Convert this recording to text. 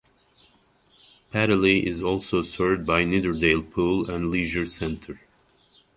Pateley is also served by Nidderdale Pool and Leisure Centre.